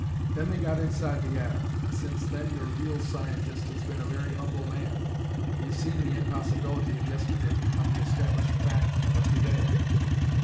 Then they got inside the atom. And since then your real scientist has been a very humble man. He has seen the impossibility of yesterday become the established fact of to day."